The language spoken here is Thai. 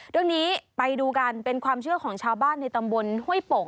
เรื่องนี้ไปดูกันเป็นความเชื่อของชาวบ้านในตำบลห้วยโป่ง